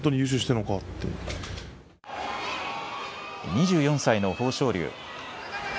２４歳の豊昇龍。